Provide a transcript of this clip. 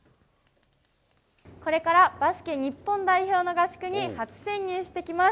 これからバスケ日本代表の合宿に初潜入してきます。